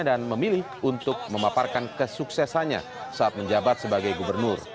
dan memilih untuk memaparkan kesuksesannya saat menjabat sebagai gubernur